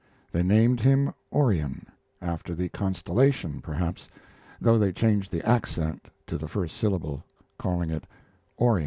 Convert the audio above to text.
They named him Orion after the constellation, perhaps though they changed the accent to the first syllable, calling it Orion.